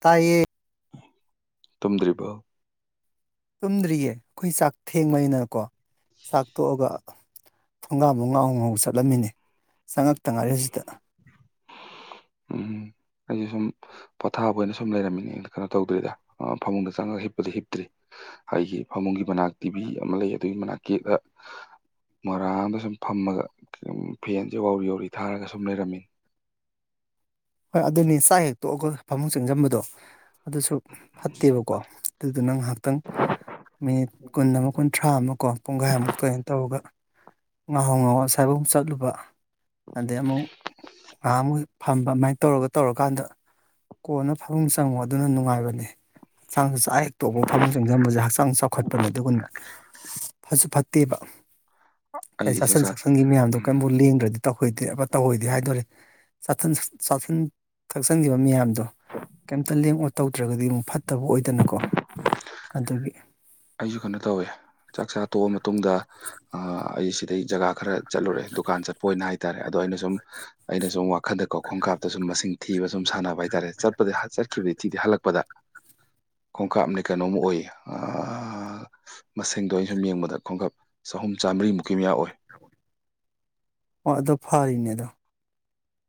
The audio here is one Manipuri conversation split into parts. ꯇꯥꯏꯌꯦ ꯇꯨꯝꯗ꯭ꯔꯤꯕꯣ ꯇꯨꯝꯗ꯭ꯔꯤꯌꯦ ꯈꯣꯏ ꯆꯥꯛ ꯊꯦꯡꯕꯅꯤꯅꯀꯣ ꯆꯥꯛ ꯇꯣꯛꯑꯒ ꯊꯣꯡꯒꯥꯟꯕꯥꯎ ꯉꯥꯎꯍꯧ ꯉꯥꯎꯍꯧ ꯆꯠꯂꯝꯃꯤꯅꯤ ꯆꯪꯉꯛꯇ ꯉꯥꯏꯔꯤ ꯍꯧꯖꯤꯗ [inaudible] ꯎꯝ ꯑꯩꯖꯨ ꯁꯨꯝ ꯄꯣꯊꯥꯕ ꯑꯣꯏꯅ ꯁꯨꯝ ꯂꯩꯔꯝꯃꯤꯅꯦ ꯀꯩꯅꯣ ꯇꯧꯗ꯭ꯔꯤꯗ ꯑ ꯐꯃꯨꯡꯗ ꯆꯪꯉꯒ ꯍꯤꯞꯄꯗꯤ ꯍꯤꯞꯇ꯭ꯔꯤ ꯑꯩꯒꯤ ꯐꯃꯨꯡꯒꯤ ꯃꯅꯥꯛ ꯇꯤꯚꯤ ꯑꯃ ꯂꯩꯌꯦ ꯑꯗꯨꯒꯤ ꯃꯅꯥꯛꯀꯤ‌ ꯑ ꯃꯣꯔꯥ ꯑꯃ ꯁꯨꯝ ꯐꯝꯃꯒ ꯎꯝ ꯐꯦꯟꯁꯦ ꯋꯧꯔꯤ ꯋꯧꯔꯤ ꯊꯥꯔꯒ ꯁꯨꯝ ꯂꯩꯔꯝꯃꯤ ꯍꯣꯏ ꯑꯗꯨꯅꯤ ꯆꯥꯛ ꯍꯦꯛ ꯇꯣꯛꯑꯒ ꯐꯃꯨꯡ ꯆꯪꯖꯟꯕꯗꯣ ꯑꯗꯨꯁꯨ ꯐꯠꯇꯦꯕꯀꯣ ꯑꯗꯨꯗꯨꯅ ꯉꯥꯍꯥꯛꯇꯪ ꯃꯤꯅꯤꯠ ꯀꯨꯟ ꯑꯃ ꯀꯨꯟꯊ꯭ꯔꯥ ꯑꯃꯀꯣ ꯄꯨꯡꯒꯥꯏꯃꯨꯛ ꯀꯩꯅ ꯇꯧꯔꯒ ꯉꯥꯍꯧ ꯉꯥꯍꯧ ꯑꯁꯥꯏꯕꯛ ꯆꯠꯂꯨꯕ ꯑꯗꯩ ꯑꯃꯨꯛ ꯉꯍꯥꯛ ꯃꯨꯛ ꯍꯦꯛ ꯐꯝꯕ ꯃꯥꯏ ꯇꯧꯔꯒ ꯇꯧꯔꯀꯥꯟꯗ ꯀꯣꯟꯅ ꯐꯥꯃꯨꯡ ꯆꯪꯉꯣ ꯑꯗꯨꯅ ꯅꯨꯡꯉꯥꯏꯕꯅꯤ ꯆꯥꯡ ꯆꯥ ꯍꯦꯛꯇꯣꯛꯄ ꯐꯃꯨꯡ ꯆꯪꯁꯤꯟꯕꯖꯦ ꯍꯛꯆꯥꯡꯖꯨ ꯆꯥꯎꯈꯠꯄꯅꯦ ꯑꯗꯨꯒꯅꯦ ꯐꯁꯨ ꯐꯠꯇꯦꯕ ꯍꯦꯛ ꯑꯩꯗꯤ ꯆꯥꯁꯟ ꯆꯥꯛꯆꯥ ꯁꯛꯁꯟꯒꯤ ꯃꯌꯥꯝꯗꯣ ꯎꯝ ꯀꯩꯝꯕꯨ ꯂꯦꯡꯗ꯭ꯔꯗꯤ ꯇꯧꯍꯣꯏꯗꯦꯕ ꯇꯧꯍꯣꯏꯗꯦ ꯍꯥꯏꯗꯣꯔꯦ ꯆꯥꯁꯟꯁꯠ ꯆꯥꯁꯟ ꯊꯛꯆꯟꯒꯤꯕ ꯃꯌꯥꯝꯗꯣ ꯀꯩꯝꯇ ꯂꯦꯡ ꯑꯣꯠ ꯇꯧꯗ꯭ꯔꯒꯗꯤ ꯃꯨꯛ ꯐꯠꯇꯕ ꯑꯣꯏꯗꯅꯀꯣ ꯑꯗꯨꯒꯤ ꯑꯩꯖꯨ ꯀꯩꯅꯣ ꯇꯧꯋꯦ ꯆꯥꯛ ꯆꯥ ꯇꯣꯛꯑ ꯃꯇꯨꯡꯗ ꯑ ꯑꯩ ꯁꯤꯗꯩ ꯖꯒꯥ ꯈꯔ ꯆꯠꯂꯨꯔꯦ ꯗꯨꯀꯥꯟ ꯆꯠꯄ ꯑꯣꯏꯅ ꯍꯥꯏꯇꯥꯔꯦ ꯑꯗꯣ ꯑꯩꯅ ꯁꯨꯝ ꯑꯩꯅ ꯁꯨꯝ ꯋꯥꯈꯟꯗ ꯀꯥꯎ ꯈꯣꯡꯀꯥꯞꯇ ꯁꯨꯝ ꯃꯁꯤꯡ ꯊꯤꯕ ꯁꯨꯝ ꯁꯥꯟꯅꯕ ꯍꯥꯏꯇꯥꯔꯦ ꯆꯠꯄꯗ ꯍꯥ ꯆꯠ ꯈꯤꯕꯦꯊꯤꯗꯤ ꯍꯜꯂꯛꯄꯗ ꯈꯣꯡꯀꯥꯞꯅꯦ ꯀꯩꯅꯣꯝꯃ ꯑꯣꯏꯌꯦ ꯑꯥ ꯑ ꯃꯁꯤꯡꯗꯣ ꯑꯩꯟ ꯁꯨꯝ ꯌꯦꯡꯕꯗ ꯈꯣꯡꯀꯞ ꯆꯍꯨꯝ ꯆꯥꯝꯃꯔꯤꯃꯨꯛꯀꯤ ꯃꯌꯥ ꯑꯣꯏ ꯑꯣ ꯑꯗꯨ ꯐꯥꯔꯤꯝꯅꯦ ꯑꯗꯣ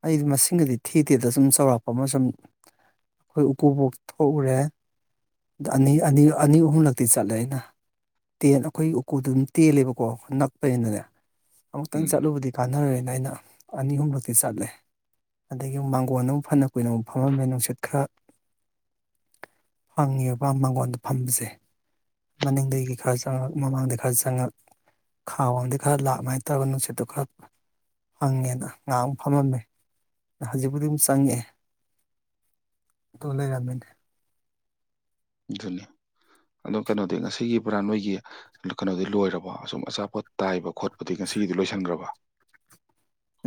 ꯑꯩꯗꯤ ꯃꯁꯤꯡꯒꯗꯤ ꯊꯤꯇꯦꯗ ꯁꯨꯝ ꯆꯥꯎꯔꯥꯛꯄ ꯑꯃ ꯁꯨꯝ ꯈꯣꯏ ꯎꯀꯨꯕꯣꯛ ꯊꯣꯛꯎꯔꯦ ꯑꯅꯤ ꯑꯅꯤ ꯑꯅꯤ ꯑꯍꯨꯝꯂꯛꯇꯤ ꯆꯠꯂꯦ ꯑꯩꯅ ꯇꯦꯟ ꯑꯈꯣꯏꯒꯤ ꯎꯀꯨꯗꯨꯃꯨꯛ ꯇꯦꯜꯂꯦꯕꯀꯣ ꯅꯛꯄꯅꯤꯅꯅꯦ ꯑꯃꯨꯛꯇꯪ ꯎꯝ ꯆꯠꯂꯨꯕꯗꯤ ꯀꯥꯟꯅꯔꯣꯏꯅ ꯑꯩꯅ ꯑꯅꯤ ꯑꯍꯨꯝꯂꯛꯇꯤ ꯆꯠꯂꯦ ꯑꯗꯒꯤ ꯃꯥꯡꯒꯣꯟꯗ ꯃꯨꯛ ꯐꯅꯥ ꯀꯨꯏꯅ ꯑꯃꯨꯛ ꯐꯝꯃꯝꯃꯦ ꯅꯨꯡꯁꯤꯠ ꯈꯔ ꯐꯪꯉꯦꯕ ꯃꯪꯒꯣꯟꯗ ꯐꯝꯕꯁꯦ ꯃꯅꯤꯡꯗꯒꯤ ꯈꯔ ꯆꯪꯉꯛ ꯃꯃꯥꯡꯗꯩ ꯈꯔ ꯆꯪꯉꯛ ꯈꯥ ꯋꯥꯡꯗꯩ ꯈꯔ ꯂꯛ ꯑꯃꯥꯏꯟ ꯇꯧꯔ ꯅꯨꯡꯁꯤꯠꯇꯨ ꯈꯔ ꯐꯪꯉꯦꯅ ꯉꯥꯛ ꯑꯃꯨꯛ ꯐꯝꯃꯝꯃꯦ ꯍꯧꯖꯤꯛꯄꯨꯗꯤ ꯑꯃꯨꯛ ꯆꯪꯉꯛꯑꯦ ꯑꯗꯨ ꯂꯩꯔꯝꯃꯤꯅꯦ ꯑꯗꯨꯅꯤ ꯑꯗꯣ ꯀꯩꯅꯣꯗꯤ ꯉꯁꯤꯒꯤ ꯄꯨꯔꯥ ꯅꯣꯏꯒꯤ ꯀꯩꯅꯣꯗꯤ ꯂꯣꯏꯔꯕꯣ ꯑꯁꯨꯝ ꯑꯆꯥꯄꯣꯠ ꯇꯥꯏꯕ ꯈꯣꯠ ꯑꯗꯨꯏ ꯉꯁꯤꯒꯤꯗꯤ ꯂꯣꯏꯁꯟꯒ꯭ꯔꯕ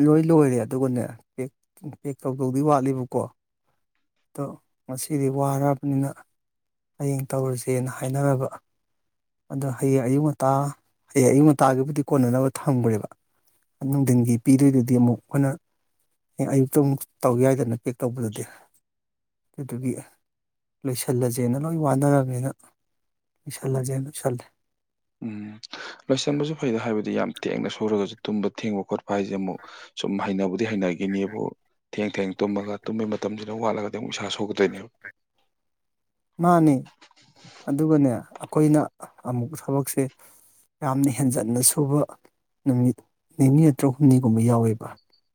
ꯂꯣꯏ ꯂꯣꯏꯔꯦ ꯑꯗꯨꯒꯅꯦ ꯄꯦꯛ ꯄꯦꯛ ꯇꯧꯗꯧꯗꯤ ꯋꯥꯠꯂꯦꯕꯀꯣ ꯑꯗꯣ ꯉꯁꯤꯗꯤ ꯋꯥꯔꯕꯅꯤꯅ ꯍꯌꯦꯡ ꯇꯧꯔꯁꯦꯅ ꯍꯥꯏꯅꯔꯕ ꯑꯗꯣ ꯍꯌꯦꯡ ꯑꯌꯨꯛ ꯉꯟꯇ ꯍꯌꯦꯡ ꯑꯌꯨꯛ ꯉꯟꯇꯒꯤꯕꯨꯗꯤ ꯀꯣꯟꯅꯅꯕ ꯊꯝꯒ꯭ꯔꯦꯕ ꯅꯨꯡꯗꯤꯟꯒꯤ ꯄꯤꯗꯣꯏꯗꯨꯗꯤ ꯑꯃꯨꯛ ꯑꯈꯣꯏꯅ ꯍꯌꯦꯡ ꯑꯌꯨꯛꯇ ꯑꯃꯨꯛ ꯇꯧ ꯌꯥꯏꯗꯅ ꯄꯦꯛ ꯇꯧꯕꯗꯨꯗꯤ ꯑꯗꯨꯒꯤ ꯂꯣꯏꯁꯜꯂꯖꯦ ꯗꯦꯅ ꯂꯣꯏ ꯋꯥꯅꯔꯕꯅꯤꯅ ꯂꯣꯏꯁꯜꯂꯖꯦꯅ ꯂꯣꯏꯁꯜꯂꯦ ꯎꯝ ꯂꯣꯏꯁꯟꯕꯖꯨ ꯐꯩꯗ ꯍꯥꯏꯕꯗꯤ ꯌꯥꯝ ꯇꯦꯡꯅ ꯁꯨꯔꯒꯖꯨ ꯇꯨꯝꯕ ꯊꯦꯡꯕ ꯈꯣꯠꯄ ꯄ ꯍꯥꯏꯖꯦ ꯑꯃꯨꯛ ꯁꯨꯝ ꯍꯩꯅꯕꯨꯗꯤ ꯍꯩꯅꯒꯤꯅꯦꯕꯨ ꯊꯦꯡ ꯊꯦꯡ ꯇꯨꯝꯃꯒ ꯇꯨꯝꯕꯒꯤ ꯃꯇꯝꯖꯤꯅ ꯋꯥꯠꯂꯒ ꯑꯗꯩ ꯑꯃꯨꯛ ꯏꯁꯥ ꯁꯣꯛꯀꯗꯣꯏꯅꯦꯕ ꯃꯅꯦ ꯑꯗꯨꯒꯅꯦ ꯑꯈꯣꯏꯅ ꯑꯃꯨꯛ ꯊꯕꯛꯁꯦ ꯌꯥꯝꯅ ꯍꯦꯟꯖꯟꯅ ꯁꯨꯕ ꯅꯨꯃꯤꯠ ꯅꯤꯅꯤ ꯅꯠꯇ꯭ꯔ ꯍꯨꯝꯅꯤꯒꯨꯝꯕ ꯌꯥꯎꯋꯦꯕ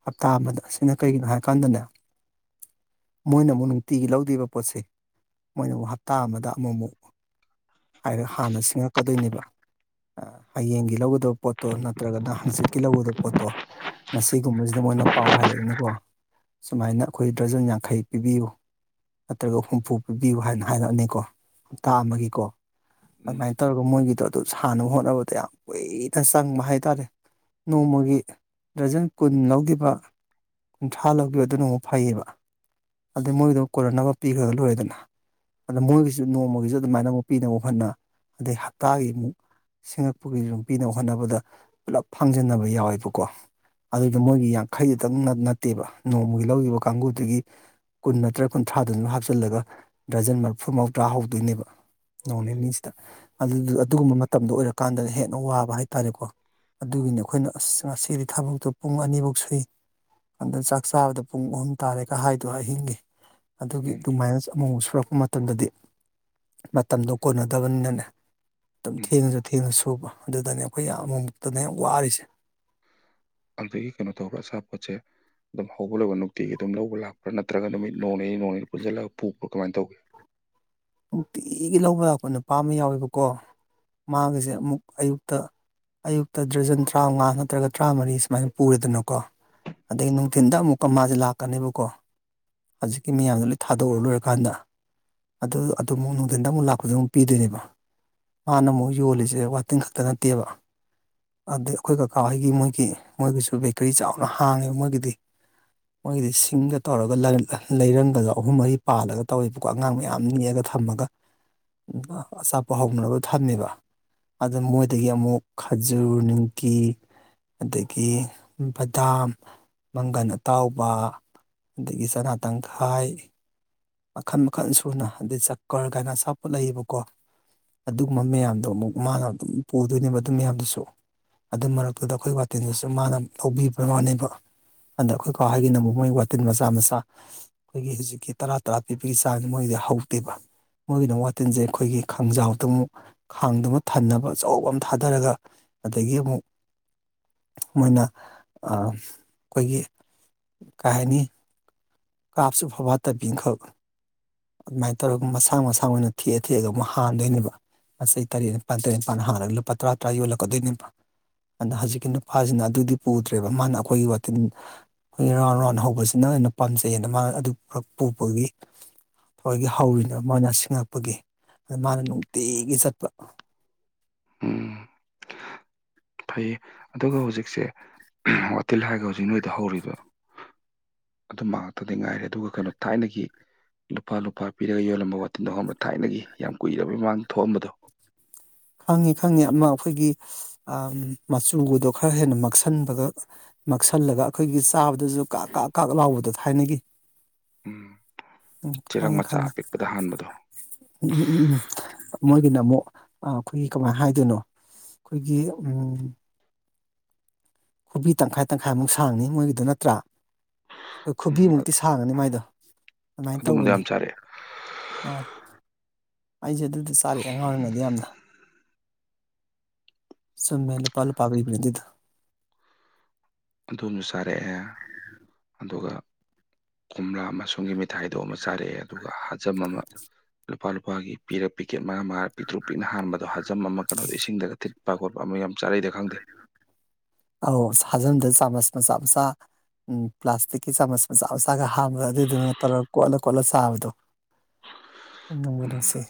ꯍꯞꯇꯥ ꯑꯃꯗ ꯑꯁꯤꯅ ꯀꯩꯒꯤꯅꯣ ꯍꯥꯏꯀꯟꯗꯅꯦ ꯃꯣꯏꯅ ꯑꯃꯨꯛ ꯅꯨꯡꯇꯤꯒꯤ ꯂꯧꯗꯦꯕ ꯄꯣꯠꯁꯦ ꯃꯣꯏꯅ ꯑꯃꯨꯛ ꯍꯞꯇꯥ ꯑꯃꯗ ꯑꯃꯨꯛ ꯑꯃꯨꯛ ꯍꯥꯏꯔ ꯍꯥꯟꯅ ꯁꯤꯡꯉꯛꯀꯗꯣꯏꯅꯦꯕ ꯑ ꯍꯌꯦꯡꯒꯤ ꯂꯧ ꯑꯗꯣ ꯄꯣꯠꯇꯣ ꯅꯠꯇ꯭ꯔꯒꯅ ꯍꯪꯆꯤꯠꯀꯤ ꯂꯧꯒꯗꯕ ꯄꯣꯠꯇꯣ ꯉꯁꯤꯒꯨꯝꯕꯁꯤꯗ ꯃꯣꯏꯅ ꯄꯥꯎ ꯍꯥꯏꯔꯛꯏꯅꯀꯣ ꯁꯨꯃꯥꯏꯅ ꯑꯈꯣꯏ ꯗꯔꯖꯟ ꯌꯥꯡꯈꯩ ꯄꯤꯕꯤꯌꯨ ꯅꯠꯇ꯭ꯔꯒ ꯍꯨꯝꯐꯨ ꯄꯤꯕꯤꯌꯨ ꯍꯥꯏꯅ ꯍꯥꯏꯔꯛꯑꯅꯤꯀꯣ ꯇꯥꯝ ꯑꯃꯒꯤꯀꯣ ꯎꯝ ꯑꯗꯨꯃꯥꯏꯅ ꯇꯧꯔꯒ ꯃꯣꯏꯒꯤꯗꯣ ꯑꯗꯨ ꯁꯥꯟꯅꯕ ꯍꯣꯠꯅꯕꯗ ꯌꯥꯝ ꯀꯨꯏꯅ ꯆꯪꯕ ꯍꯥꯏꯇꯔꯦ ꯅꯣꯡꯃꯒꯤ ꯗ꯭ꯔꯖꯟ ꯀꯨꯟ ꯂꯧꯒꯤꯕꯥ ꯀꯨꯟꯊ꯭ꯔꯥ ꯂꯧꯒꯤꯕ ꯑꯗꯨꯅ ꯑꯃꯨꯛ ꯐꯩꯌꯦꯕ ꯑꯗꯩ ꯃꯣꯏꯒꯤꯗꯣ ꯀꯣꯟꯅꯥꯅꯕ ꯄꯤꯒ꯭ꯔꯒ ꯂꯣꯏꯔꯦꯗꯅ ꯑꯗ ꯃꯣꯏꯒꯤꯖꯨ ꯅꯣꯡꯃꯒꯤꯖꯨ ꯑꯗꯨꯃꯥꯏꯅ ꯑꯃꯨꯛ ꯄꯤꯅꯕ ꯍꯣꯠꯅ ꯑꯗꯩ ꯍꯞꯇꯒꯤ ꯑꯃꯨꯛ ꯁꯤꯡꯉꯛꯄꯒꯤꯖꯨ ꯄꯤꯅꯕ ꯍꯣꯠꯅꯕꯗ ꯄꯨꯂꯞ ꯐꯪꯖꯟꯅꯕ ꯌꯥꯎꯋꯦꯕꯀꯣ ꯑꯗꯨꯏꯗꯨ ꯃꯣꯏꯒꯤ ꯌꯥꯡꯈꯩꯗꯡ ꯅꯥꯠ ꯅꯠꯇꯦꯕ ꯅꯣꯡꯃꯒꯤ ꯂꯧꯔꯤꯕ ꯀꯥꯡꯕꯨꯗꯨꯒꯤ ꯀꯨꯟ ꯅꯠꯇ꯭ꯔꯒ ꯀꯨꯟꯊ꯭ꯔꯥꯗꯨꯝ ꯍꯥꯞꯆꯤꯜꯂꯒ ꯗ꯭ꯔꯖꯟ ꯃꯔꯐꯨ ꯃꯧꯗ꯭ꯔ ꯍꯧꯗꯣꯏꯅꯦꯕ ꯅꯣꯡ ꯅꯤꯅꯤꯖꯤꯗ ꯑꯗꯨꯗꯨ ꯑꯗꯨꯒꯨꯝꯕ ꯃꯇꯝꯗꯣ ꯑꯣꯏꯔꯀꯥꯟꯗꯅ ꯍꯦꯟꯅ ꯋꯥꯕ ꯍꯥꯏꯇꯔꯦꯀꯣ ꯑꯗꯨꯒꯤꯅꯦ ꯑꯈꯣꯏꯅ ꯑꯁ ꯉꯁꯤꯗꯤ ꯊꯕꯛꯇꯣ ꯄꯨꯡ ꯑꯅꯤꯕꯧ ꯁꯨꯏ ꯑꯗ ꯆꯥꯛ ꯆꯥꯕꯗ ꯄꯨꯡ ꯑꯍꯨꯝ ꯇꯥꯔꯦꯒ ꯍꯥꯏꯗꯣ ꯑꯍꯤꯡꯒꯤ ꯑꯗꯨꯒꯤ ꯎꯝ ꯑꯗꯨꯃꯥꯏꯅ ꯑꯃꯨꯛꯃꯨꯛ ꯁꯨꯔꯛꯄ ꯃꯇꯝꯗꯗꯤ ꯃꯇꯝꯗꯣ ꯀꯣꯟꯅꯗꯕꯅꯤꯅꯅꯦ ꯑꯗꯨꯝ ꯎꯝ ꯊꯦꯡꯉꯖꯨ ꯊꯦꯡꯅ ꯁꯨꯕ ꯑꯗꯨꯗꯅꯦ ꯑꯈꯣꯏ ꯌꯥꯝ ꯑꯃꯨꯛꯃꯨꯛꯇꯅꯦ ꯋꯥꯔꯤꯁꯦ ꯑꯗꯩ ꯀꯩꯅꯣ ꯇꯧꯕꯔ ꯑꯆꯥꯄꯣꯠꯆꯦ ꯑꯗꯨꯝ ꯍꯧꯕꯂꯣꯏꯕ ꯅꯨꯡꯇꯤꯒꯤ ꯑꯗꯨꯝ ꯂꯧꯕ ꯂꯛꯄ꯭ꯔ ꯅꯠꯇ꯭ꯔꯒ ꯅꯨꯃꯤꯠ ꯅꯣꯡꯅꯤꯅꯤ ꯅꯣꯡꯅꯤꯅꯤ ꯄꯨꯟꯖꯤꯜꯂꯒ ꯄꯣꯛꯄ꯭ꯔ ꯀꯃꯥꯏꯅ ꯇꯧꯒꯦ ꯅꯨꯡꯇꯤꯒꯤ ꯂꯧꯕ ꯂꯛꯄ ꯅꯨꯄꯥ ꯑꯃ ꯌꯥꯎꯋꯦꯕꯀꯣ ꯃꯒꯤꯖꯦ ꯑꯃꯨꯛ ꯑꯌꯨꯛꯇ ꯑꯌꯨꯛꯇ ꯗ꯭ꯔꯖꯟ ꯇꯔꯥꯃꯉꯥ ꯅꯠꯇ꯭ꯔꯒ ꯇꯔꯥꯃꯔꯤ ꯁꯨꯃꯥꯏꯅ ꯄꯨꯔꯦꯗꯅꯀꯣ ꯑꯗꯒꯤ ꯅꯨꯡꯊꯤꯟꯗ ꯑꯃꯨꯛ ꯀ ꯃꯥꯖꯦ ꯂꯥꯛꯀꯅꯦꯕꯀꯣ ꯍꯧꯖꯤꯛꯀꯤ ꯃꯤꯌꯥꯝꯗ ꯂꯣꯏ ꯊꯗꯣꯛꯎꯔ ꯂꯣꯏꯔꯀꯥꯟꯗ ꯑꯗꯨ ꯑꯗꯨ ꯑꯃꯨꯛ ꯅꯨꯡꯗꯤꯟꯗ ꯑꯃꯨꯛ ꯂꯥꯛꯄꯗ ꯑꯃꯨꯛ ꯄꯤꯗꯣꯏꯅꯦꯕ ꯃꯥꯅ ꯑꯃꯨꯛ ꯌꯣꯜꯂꯤꯖꯦ ꯋꯥꯇꯤꯟ ꯈꯛꯇ ꯅꯠꯇꯦꯕ ꯑꯗꯩ ꯑꯈꯣꯏ ꯀꯀꯥ ꯍꯣꯏꯒꯤ ꯃꯣꯏꯒꯤ ꯃꯣꯏꯒꯤꯖꯨ ꯕꯦꯀꯔꯤ ꯆꯥꯎꯅ ꯍꯥꯡꯉꯦꯕ ꯃꯣꯏꯒꯤꯗꯤ ꯃꯣꯏꯒꯤꯗꯤ ꯁꯤꯡꯒ ꯇꯧꯔꯒ ꯂꯩꯔ ꯂꯩꯔꯪꯒꯗꯣ ꯑꯍꯨꯝ ꯃꯔꯤ ꯄꯥꯜꯂꯒ ꯇꯧꯋꯦꯕꯀꯣ ꯑꯉꯥꯡ ꯃꯌꯥꯝ ꯃꯤ ꯅꯦꯛꯑꯒ ꯊꯝꯃꯒ ꯑꯆꯥꯄꯣꯠ ꯍꯧꯅꯕ ꯊꯝꯃꯦꯕ ꯑꯗꯨ ꯃꯣꯏꯗꯒꯤ ꯑꯃꯨꯛ ꯈꯖꯨꯔ ꯅꯤꯝꯀꯤ ꯑꯗꯒꯤ ꯕꯗꯥꯝ ꯃꯪꯒꯟ ꯑꯇꯥꯎꯕ ꯑꯗꯒꯤ ꯆꯅꯥ ꯇꯪꯈꯥꯏ ꯃꯈꯟ ꯃꯈꯟ ꯁꯨꯅ ꯑꯗꯩ ꯆꯀꯔ ꯀꯥꯏꯅ ꯑꯆꯥꯄꯣꯠ ꯂꯩꯌꯦꯕꯀꯣ ꯑꯗꯨꯒꯨꯝꯕ ꯃꯌꯥꯝꯗꯣ ꯑꯃꯨꯛ ꯃꯥꯅ ꯑꯗꯨꯝ ꯄꯨꯗꯣꯏꯅꯦꯕ ꯑꯗꯨ ꯃꯌꯥꯝꯗꯨꯁꯨ ꯑꯗꯨ ꯃꯔꯛꯇꯨꯗ ꯑꯩꯈꯣꯏ ꯋꯥꯇꯤꯟꯗꯨꯁꯨ ꯃꯥꯅ ꯂꯧꯕꯤꯕ꯭ꯔ ꯋꯥꯅꯦꯕ ꯑꯗ ꯈꯣꯏ ꯀꯥ ꯍꯣꯏꯒꯤꯅ ꯑꯃꯨꯛ ꯃꯣꯏ ꯋꯥꯇꯤꯟ ꯃꯆꯥ ꯃꯆꯥ ꯑꯩꯈꯣꯏꯒꯤ ꯍꯧꯖꯤꯛꯀꯤ ꯇꯔꯥ ꯇꯔꯥ ꯄꯤꯛꯄꯒꯤ ꯆꯥꯡꯁꯦ ꯃꯣꯏꯒꯤꯗꯤ ꯍꯧꯗꯦꯕ ꯃꯣꯏꯒꯤꯅ ꯋꯥꯇꯤꯟꯁꯦ ꯑꯩꯈꯣꯏꯒꯤ ꯈꯥꯡꯖꯥꯎꯗ ꯑꯃꯨꯛ ꯈꯥꯡꯗꯨꯃ ꯊꯟꯅꯕ ꯑꯆꯧꯕ ꯑꯃ ꯊꯥꯗꯔꯒ ꯑꯗꯒꯤ ꯑꯃꯨꯛ ꯃꯣꯏꯅ ꯑ, ꯈꯣꯏꯒꯤ, ꯀꯩ ꯍꯥꯏꯅꯤ ꯀꯥꯞꯁꯨ ꯐꯕꯥꯠꯇꯕꯤ ꯈꯛ ꯑꯗꯨꯃꯥꯏꯟ ꯇꯧꯔꯒ ꯃꯁꯥꯡ ꯃꯁꯥꯡ ꯑꯣꯏꯅ ꯊꯦꯛꯑ ꯊꯦꯛꯑꯒ ꯑꯃꯨꯛ ꯍꯥꯟꯗꯣꯏꯅꯦꯕ ꯃꯆꯩ ꯇꯔꯦꯠꯅꯤꯄꯥꯟ ꯇꯔꯦꯠꯅꯤꯄꯥꯟ ꯍꯥꯟꯂꯒ ꯂꯨꯄꯥ ꯇꯔꯥ ꯇꯔꯥ ꯌꯣꯜꯂꯛꯀꯗꯣꯏꯅꯦꯕ ꯑꯗ ꯍꯧꯖꯤꯛꯀꯤ ꯅꯨꯄꯥꯁꯤꯅ ꯑꯗꯨꯗꯤ ꯄꯨꯗ꯭ꯔꯦꯕ ꯃꯥꯅ ꯑꯈꯣꯏꯒꯤ ꯋꯥꯇꯤꯟ ꯔꯥꯎꯟ ꯔꯥꯎꯟ ꯍꯧꯕꯁꯤꯅ ꯑꯣꯢꯅ ꯄꯥꯝꯖꯩꯌꯦꯅ ꯃꯥꯅ ꯑꯗꯨ ꯈꯛ ꯄꯨꯕꯒꯤ ꯈꯣꯏꯒꯤ ꯍꯧꯔꯤꯅꯦꯕ ꯃꯣꯏꯅ ꯁꯤꯡꯉꯛꯄꯒꯤ, ꯑꯗꯨ ꯃꯥꯅ ꯅꯨꯡꯇꯤꯒꯤ ꯆꯠꯄ ꯎꯝ [unintelligible] ꯐꯩꯌꯦ ꯑꯗꯨꯒ ꯍꯧꯖꯤꯛꯁꯦ ꯋꯥꯇꯤꯜ ꯍꯥꯏꯔꯒ ꯍꯧꯖꯤꯛ ꯅꯣꯏꯗ ꯍꯧꯔꯤꯕ ꯑꯗꯨꯝꯕ ꯉꯥꯛꯇꯗꯤ ꯉꯥꯏꯔꯦ ꯑꯗꯨꯒ ꯀꯩꯅꯣ ꯊꯥꯏꯅꯒꯤ ꯂꯨꯄꯥ ꯂꯨꯄꯥ ꯄꯤꯔꯒ ꯌꯣꯜꯂꯝꯕ ꯋꯥꯇꯤꯟꯗꯣ ꯈꯪꯕ꯭ꯔꯥ ꯊꯥꯏꯅꯒꯤ ꯌꯥꯝ ꯀꯨꯏꯔꯕꯩ ꯃꯃꯥꯡꯗ ꯊꯣꯛꯑꯝꯕꯗꯣ ꯈꯪꯉꯤ ꯈꯪꯉꯤ ꯑꯃ ꯑꯈꯣꯏꯒꯤ ꯑꯝ ꯃꯆꯨꯒꯗꯣ ꯈꯔ ꯍꯦꯟꯅ ꯃꯛꯁꯟꯕꯒ ꯃꯛꯁꯜꯂꯒ ꯑꯈꯣꯏꯒꯤ ꯆꯥꯕꯗꯁꯨ ꯀ ꯀꯥꯛ ꯀꯥꯛ ꯂꯥꯎꯕꯗꯣ ꯊꯥꯏꯅꯒꯤ ꯎꯝ ꯎꯝ ꯆꯦꯔꯪ ꯈꯪꯉꯦ ꯃꯆꯥ ꯈꯪꯉꯦ ꯑꯄꯤꯛꯄꯗ ꯍꯥꯟꯕꯗꯣ ꯎꯝꯝ ꯎꯝꯝ ꯃꯣꯢꯒꯤꯅ ꯃꯨꯛ ꯑ ꯈꯣꯏꯒꯤ ꯀꯃꯥꯏ ꯍꯥꯏꯗꯣꯏꯅꯣ ꯈꯣꯏꯒꯤ ꯎꯝ ꯈꯨꯕꯤ ꯇꯪꯈꯥꯏ ꯇꯪꯈꯥꯏꯃꯨꯛ ꯁꯥꯡꯅꯤ ꯃꯣꯏꯒꯤꯗꯨ ꯅꯠꯇ꯭ꯔꯥ ꯎꯝ ꯈꯨꯕꯤꯃꯨꯛꯇꯤ ꯁꯥꯥꯡꯉꯅꯤ ꯃꯥꯏꯗꯣ ꯑꯗꯨꯃꯥꯏꯟ ꯑꯗꯨꯝꯕꯗꯣ ꯇꯧꯕꯅꯤ ꯌꯥꯝ ꯆꯥꯔꯛꯑꯦ [unintelligible] ꯑꯥ ꯑꯩꯁꯦ ꯑꯗꯨꯗꯤ ꯆꯥꯔꯛꯑꯦ ꯑꯉꯥꯡ ꯑꯣꯏꯔꯤꯉꯩꯗ ꯌꯥꯝꯅ ꯆꯨꯝꯃꯦ ꯂꯨꯄꯥ ꯂꯨꯄꯥ ꯄꯤꯕꯅꯦ ꯑꯗꯨꯗꯣ ꯑꯗꯨꯃ ꯆꯥꯔꯛꯑꯦ, ꯑꯗꯨꯒ ꯀꯣꯝꯂꯥ ꯃꯁꯨꯡꯒꯤ ꯃꯤꯠ ꯊꯥꯏꯗꯣ ꯑꯃ ꯆꯥꯔꯛꯑꯦ ꯑꯗꯨꯒ ꯍꯖꯝ ꯑꯃ ꯂꯨꯄꯥ ꯂꯨꯄꯥꯒꯤ ꯄꯤꯔꯒ ꯄꯤꯀꯦꯠ ꯃꯉꯥ ꯃꯉꯥ ꯄꯤꯛꯇ꯭ꯨꯔꯛ ꯄꯤꯛꯅ ꯍꯥꯟꯕꯗꯣ ꯍꯖꯝ ꯑꯃ ꯀꯩꯅꯣꯗ ꯏꯁꯤꯡꯗꯒ ꯊꯤꯠꯄ ꯄꯥ ꯈꯣꯠꯄ ꯑꯃ ꯌꯥꯝ ꯆꯥꯔꯛꯏꯗ ꯈꯪꯗꯦ ꯑꯧ ꯍꯥꯖꯝꯗ ꯆꯥꯃꯁ ꯃꯆꯥꯥ ꯃꯆꯥ ꯎꯝ ꯄ꯭ꯂꯥꯁꯇꯤꯛꯀꯤ ꯆꯥꯃꯁ ꯃꯆꯥ ꯃꯆꯥꯒ ꯍꯥꯝꯄꯒ ꯑꯗꯨꯏꯗꯨꯅ ꯇꯧꯔ ꯀꯣꯠꯂ ꯀꯣꯠꯂ ꯆꯥꯕꯗꯣ ꯅꯨꯡꯕꯨ ꯎꯝ ꯅꯨꯡꯁꯤ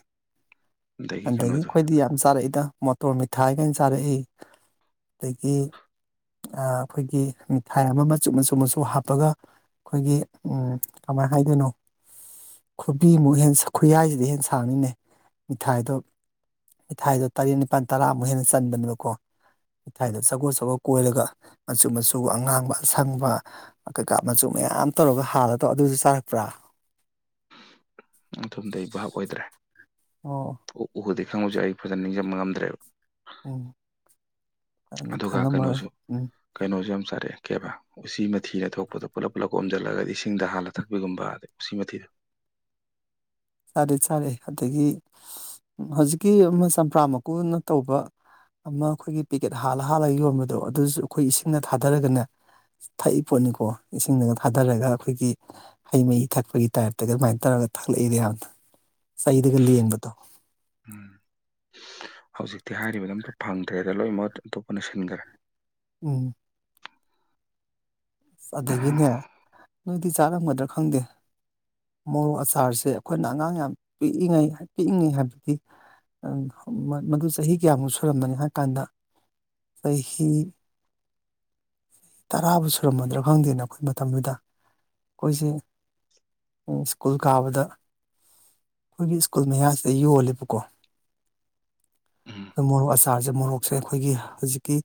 ꯑꯗꯒꯤ ꯈꯣꯏꯗꯤ ꯌꯥꯝ ꯆꯥꯔꯛꯏꯗ ꯇꯣꯔꯃꯤꯊꯥꯏꯒꯥꯢꯅ ꯆꯥꯔꯛꯏ ꯑꯗꯒꯤ ꯑ ꯈꯣꯏꯒꯤ ꯃꯤꯊꯥꯏ ꯑꯃ ꯃꯆꯨ ꯃꯆꯨ ꯃꯆꯨ ꯍꯥꯞꯄꯒ ꯑꯩꯈꯣꯏꯒꯤ ꯎꯝ ꯀꯃꯥꯏ ꯍꯥꯏꯗꯣꯏꯅꯣ ꯈꯨꯕꯤꯃꯨꯛ ꯍꯦꯟ ꯈꯨꯌꯥꯏꯁꯤꯗꯩ ꯍꯦꯟ ꯁꯥꯡꯅꯤꯅꯦ ꯃꯤꯊꯥꯏꯗꯣ ꯃꯤꯊꯥꯏꯗꯣ ꯇꯔꯦꯠ ꯅꯤꯄꯥꯜ ꯇꯔꯥꯃꯨꯛ ꯍꯦꯟꯅ ꯆꯟꯕꯅꯤꯕꯀꯣ ꯃꯤꯊꯥꯢꯗꯣ ꯆꯒꯣ ꯆꯒꯣ ꯀꯣꯏꯔꯒ ꯃꯆꯨ ꯃꯆꯨ ꯑꯉꯥꯡꯕ ꯑꯁꯪꯕ ꯀꯩꯀꯥꯞ ꯃꯆꯨ ꯃꯌꯥꯝ ꯇꯧꯔꯒ ꯍꯥꯜꯂꯒ ꯇꯧ ꯑꯗꯨꯖꯨ ꯆꯥꯔꯛꯄ꯭ꯔꯥ? ꯑꯗꯨꯝꯗꯤ ꯑꯩ ꯕꯥꯞ ꯑꯣꯏꯗ꯭ꯔꯦ ꯑꯣ ꯎ ꯎꯔꯗꯤ ꯈꯪꯕꯁꯨ ꯌꯥꯏ ꯑꯩ ꯐꯖꯅ ꯅꯤꯡꯖꯪꯕ ꯉꯝꯗ꯭ꯔꯦꯕ ꯎꯝ ꯑꯗꯨꯅ ꯑꯗꯨꯒ ꯈꯪꯉꯝꯃꯔꯣꯏ ꯀꯩꯅꯣꯖꯨ ꯎꯝ ꯀꯩꯅꯣꯖꯨ ꯌꯥꯝ ꯆꯥꯔꯛꯑꯦ ꯀꯦꯕꯥ ꯎꯆꯤ ꯃꯊꯤ ꯑꯊꯣꯛꯄꯗꯣ ꯄꯨꯂꯞ ꯄꯨꯂꯞ ꯑꯣꯝꯖꯜꯂꯒꯗꯤ ꯏꯁꯤꯡꯗ ꯍꯥꯜꯂ ꯊꯛꯄꯤꯒꯨꯝꯕ ꯎꯆꯤ ꯃꯊꯤꯗꯣ ꯆꯥꯗꯤ ꯆꯥꯔꯦ ꯑꯗꯒꯤ ꯍꯧꯖꯤꯛꯀꯤ ꯑꯃ ꯆꯝꯄ꯭ꯔꯥ ꯃꯀꯨꯅ ꯇꯧꯕ ꯑꯃ ꯈꯣꯏꯒꯤ ꯄꯦꯀꯦꯠ ꯍꯥꯜꯂ ꯍꯥꯜꯂꯒ ꯌꯣꯟꯕꯗꯣ ꯑꯗꯨꯖꯨ ꯑꯈꯣꯏ ꯏꯁꯤꯡꯅ ꯊꯥꯗꯔꯒꯅꯦ ꯊꯛꯏ ꯄꯣꯠꯅꯤꯀꯣ ꯏꯁꯤꯡꯗꯒ ꯊꯥꯗꯔꯒ ꯑꯈꯣꯏꯒꯤ ꯍꯩ ꯃꯍꯤ ꯊꯛꯄꯒꯤ ꯇꯥꯏꯞꯇꯒ ꯑꯗꯨꯃꯥꯏꯟ ꯇꯧꯔꯒ ꯊꯛꯂꯛꯏꯗ ꯌꯥꯝ ꯆꯩꯗꯒ ꯂꯦꯡꯕꯗꯣ ꯎꯝ ꯍꯧꯖꯤꯛꯇꯤ ꯍꯥꯏꯔꯤꯕꯗꯣ ꯑꯝꯇ ꯐꯪꯗ꯭ꯔꯦꯗ ꯂꯣꯏ ꯃꯍꯨꯠ ꯑꯇꯣꯞꯄꯅ ꯁꯤꯟꯈꯔꯦ ꯎꯝ ꯑꯗꯒꯤꯅꯦ ꯅꯣꯏꯗꯤ ꯆꯥꯔꯝꯒꯗ꯭ꯔ ꯈꯪꯗꯦ ꯃꯣꯔꯣꯛ ꯑꯆꯥꯔꯁꯦ ꯑꯈꯣꯏꯅ ꯑꯉꯥꯡ ꯌꯥꯝ ꯄꯤꯛꯏꯉꯩ ꯄꯤꯛꯏꯉꯩ ꯍꯥꯏꯕꯗꯤ ꯅꯪ ꯈꯃꯟ ꯃꯗꯨ ꯆꯍꯤ ꯀꯌꯥꯃꯨꯛ ꯁꯨꯔꯝꯃꯅꯤ ꯍꯥꯏ ꯀꯥꯟꯗ ꯆꯍꯤ ꯇꯔꯥꯕꯨ ꯁꯨ ꯁꯨꯔꯝꯃꯗ꯭ꯔ ꯈꯪꯗꯦꯅꯦ ꯑꯈꯣꯏ ꯃꯇꯝꯗꯨꯗ ꯑꯩꯈꯣꯏꯁꯦ ꯎꯝ ꯁ꯭ꯀꯨꯜ ꯀꯥꯕꯗ ꯈꯣꯏꯒꯤ ꯁ꯭ꯀꯨꯜ ꯃꯌꯥꯖꯤꯗ ꯌꯣꯜꯂꯦꯕꯀꯣ ꯎꯝ ꯈꯣꯏ ꯃꯣꯔꯣꯛ ꯑꯁꯥꯕ ꯆꯥꯔꯖꯦ ꯃꯣꯔꯣꯛꯁꯦ ꯈꯣꯏꯒꯤ ꯍꯨꯖꯤꯛꯀꯤ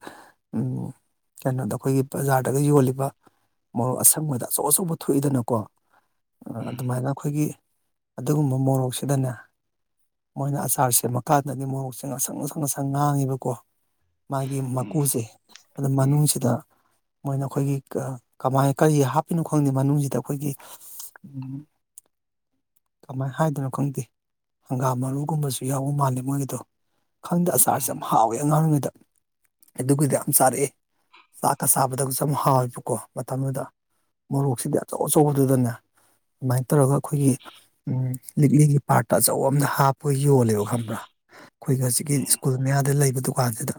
ꯎꯝ ꯀꯩꯅꯣꯗꯣ ꯈꯣꯏꯒꯤ ꯕꯖꯥꯔꯗꯒ ꯌꯣꯜꯂꯤ ꯕ ꯃꯣꯔꯣꯛ ꯑꯁꯪꯕꯗ ꯑꯆꯧ ꯑꯆꯧꯕ ꯊꯣꯛꯏꯗꯅꯀꯣ ꯑꯥ ꯎꯝ ꯑꯗꯨꯃꯥꯏꯅ ꯑꯈꯣꯏꯒꯤ ꯑꯗꯨꯒꯨꯝꯕ ꯃꯣꯔꯣꯛꯁꯤꯗꯅꯦ ꯃꯣꯏꯅ ꯑꯆꯥꯔ ꯁꯦꯝꯃꯛꯀꯥꯟꯗꯗꯤ ꯃꯣꯔꯣꯛꯁꯦ ꯉꯡꯁꯪ ꯉꯡꯁꯪ ꯉꯡꯁꯪ ꯉꯥꯡꯉꯦꯕꯀꯣ ꯃꯥꯒꯤ ꯎꯝ ꯃꯀꯨꯁꯦ ꯑꯗꯨ ꯎꯝ ꯃꯅꯨꯡꯁꯤꯗ ꯃꯣꯏꯅ ꯈꯣꯏꯒꯤ ꯀ ꯀꯃꯥꯏ ꯀꯔꯤ ꯍꯥꯞꯄꯤꯅꯣ ꯈꯪꯗꯦ ꯃꯅꯨꯡꯖꯤꯗ ꯑꯈꯣꯏꯒꯤ ꯎꯝ ꯀꯃꯥꯏ ꯍꯥꯏꯗꯣꯏꯅꯣ ꯈꯪꯗꯦ ꯍꯪꯒꯥꯝ ꯃꯔꯨꯒꯨꯝꯕꯖꯨ ꯌꯥꯎꯕ ꯃꯥꯜꯂꯦ ꯃꯣꯏꯒꯤꯗꯣ ꯈꯪꯗꯦ ꯑꯆꯥꯔꯁꯦ ꯌꯥꯝ ꯍꯥꯎꯋꯦ ꯑꯉꯥꯡ ꯑꯣꯏꯔꯤꯉꯩꯗ ꯑꯗꯨꯒꯤꯗꯤ ꯌꯥꯝ ꯆꯥꯔꯛꯑꯦ ꯆꯥꯛꯀ ꯆꯥꯕꯗꯒꯁꯨ ꯍꯥꯎꯋꯦꯕ ꯀꯣ ꯃꯇꯝꯗꯨꯗ ꯃꯣꯔꯣꯛꯁꯤꯗꯤ ꯑꯆꯧ ꯑꯆꯧꯕꯗꯨꯗꯅꯦ ꯑꯃꯥꯏ ꯇꯧꯔꯒ ꯑꯈꯣꯏꯒꯤ ꯎꯝ ꯂꯤꯛꯂꯤꯒꯤ ꯄꯥꯔꯇ ꯑꯆꯧꯕ ꯑꯃꯗ ꯍꯥꯞ ꯄꯣ ꯌꯣꯜꯂꯦꯕ ꯈꯪꯕ꯭ꯔꯥ ꯈꯣꯏꯒ ꯍꯖꯤꯛꯀꯤ ꯁ꯭ꯀꯨꯜ ꯃꯌꯥꯗ ꯂꯩꯕ ꯗꯨꯀꯥꯟꯁꯤꯗ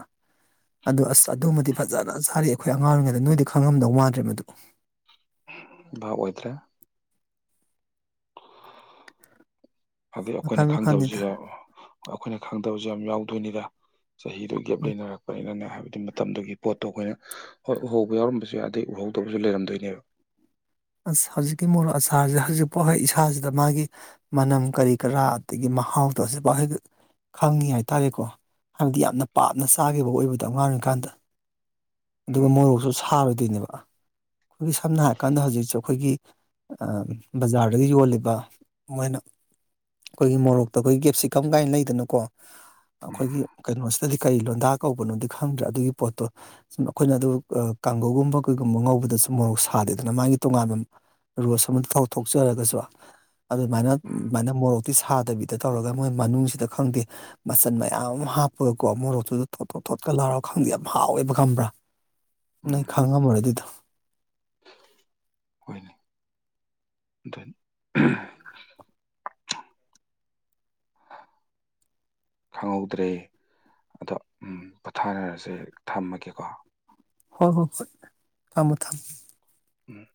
ꯑꯗꯨ ꯑꯁ ꯑꯗꯨꯃꯗꯤ ꯐꯖꯅ ꯆꯥꯔꯛꯑꯦ ꯑꯩꯈꯣꯏ ꯑꯉꯥꯡ ꯑꯣꯏꯔꯤꯉꯩꯗ ꯅꯣꯏꯗꯤ ꯈꯪꯉꯝꯗꯧ ꯃꯥꯟꯗ꯭ꯔꯦ ꯃꯗꯨ ꯚꯥꯞ ꯑꯣꯏꯗ꯭ꯔꯦ ꯑꯗꯩ ꯑꯈꯣꯏꯅ ꯃꯈꯜ ꯈꯪꯗꯕꯁꯨ ꯃꯈꯜꯅꯤꯗ ꯌꯥꯎ ꯑꯈꯣꯏꯅ ꯈꯪꯗꯕꯁꯨ ꯌꯥꯝ ꯌꯥꯎꯗꯣꯏꯅꯤꯗ ꯆꯍꯤꯗꯨ ꯒꯦꯞ ꯎꯝ ꯂꯩꯅꯔꯛꯄꯅꯤꯅꯅꯦ ꯍꯥꯏꯕꯗꯤ ꯃꯇꯝꯗꯨꯒꯤ ꯄꯣꯠꯇꯣ ꯑꯈꯣꯏꯅ ꯍꯣꯏ ꯎꯍꯧꯕ ꯌꯥꯎꯔꯝꯕꯁꯨ ꯌꯥꯏ ꯑꯗꯩ ꯎꯍꯧꯗꯕꯁꯨ ꯂꯩꯔꯝꯗꯣꯏꯅꯦꯕ ꯑꯁ ꯍꯧꯖꯤꯛꯀꯤ ꯃꯣꯔꯣꯛ ꯑꯆꯥꯥꯔꯁꯦ ꯍꯧꯖꯤꯛꯄꯣꯛ ꯍꯦꯛ ꯏꯁꯥꯁꯤꯗ ꯃꯥꯒꯤ ꯃꯅꯝ ꯀꯔꯤ ꯀꯔꯥ ꯑꯗꯒꯤ ꯃꯍꯥꯎ ꯗꯣ ꯍꯖꯤꯛꯐꯥꯎ ꯍꯦꯛ ꯈꯪꯉꯤ ꯍꯥꯏꯇꯥꯔꯦꯀꯣ ꯍꯥꯏꯕꯗꯤ ꯌꯥꯝꯅ ꯄꯥꯝꯅ ꯆꯥꯒꯤꯕ ꯑꯣꯏꯕꯗꯣ ꯑꯉꯥꯡ ꯑꯣꯏꯔꯤꯀꯥꯟꯗ ꯑꯗꯨꯒ ꯎꯝ ꯃꯣꯔꯣꯛꯁꯨ ꯁꯥꯔꯣꯏꯗꯣꯏꯅꯦꯕ ꯈꯣꯏꯒꯤ ꯁꯝꯅ ꯍꯥꯏꯔ ꯀꯥꯟꯗ ꯍꯧꯖꯤꯛꯁꯨ ꯑꯈꯣꯏꯒꯤ ꯑꯥ ꯕꯖꯥꯔꯗꯒ ꯌꯣꯜꯂꯤꯕ ꯃꯣꯏꯅ ꯈꯣꯏꯒꯤ ꯃꯣꯔꯣꯛꯇ ꯈꯣꯏꯒꯤ ꯀꯦꯞꯁꯤꯀꯝ ꯀꯥꯏꯅ ꯂꯩꯗꯅꯀꯣ ꯎꯝ ꯑꯈꯣꯏꯒꯤ ꯀꯩꯅꯣꯁꯤꯗꯗꯤ ꯀꯔꯤ ꯂꯣꯟꯗꯥ ꯀꯧꯕꯅꯣꯗꯤ ꯈꯪꯗ꯭ꯔꯦ ꯑꯗꯨꯒꯤ ꯄꯣꯠꯇꯣ ꯁꯨꯝ ꯑꯈꯣꯏꯅ ꯑꯥ ꯑꯗꯨ ꯀꯥꯡꯒꯧꯒꯨꯝꯕ ꯀꯩꯒꯨꯝꯕ ꯉꯧꯕꯗꯁꯨ ꯃꯣꯔꯣꯛ ꯁꯥꯗꯦꯗꯅꯥ ꯃꯥꯒꯤ ꯇꯣꯉꯥꯟꯕ ꯔꯣꯁ ꯑꯃ ꯊꯣꯛ ꯊꯣꯛꯆꯥꯔꯒꯁꯨ ꯑꯗꯨ ꯃꯥꯏꯅ ꯃꯥꯏꯅ ꯃꯣꯔꯣꯛꯇꯤ ꯁꯥꯗꯕꯤꯗ ꯇꯧꯔꯒ ꯃꯣꯏ ꯃꯅꯨꯡꯖꯤꯗ ꯈꯪꯗꯦ ꯃꯆꯟ ꯃꯌꯥꯝ ꯑꯃ ꯍꯥꯞꯄꯒꯀꯣ ꯃꯣꯔꯣꯛꯇꯨꯗ ꯊꯣꯠ ꯊꯣꯠ ꯊꯣꯠꯀ ꯂꯥꯎꯔ ꯈꯪꯗꯦ ꯌꯥꯝ ꯍꯥꯎꯋꯦꯕ ꯈꯝꯕ꯭ꯔꯥ ꯎꯝ ꯅꯣꯏ ꯈꯉꯝꯃꯔꯣꯏ ꯗꯨꯗꯣ ꯍꯣꯏꯅꯦ ꯗꯨꯅꯦ ꯈꯪꯍꯧꯗ꯭ꯔꯦ ꯑꯗꯣ ꯎꯝ ꯄꯣꯊꯥꯅꯔꯁꯦ ꯊꯝꯃꯒꯦꯀꯣ ꯍꯣꯏ ꯍꯣꯏ ꯍꯣꯏ ꯊꯝꯃꯣ ꯊꯝꯃꯣ ꯎꯝ